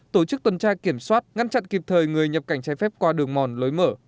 tổ chức tuần tra kiểm soát ngăn chặn kịp thời người nhập cảnh trái phép qua đường mòn lối mở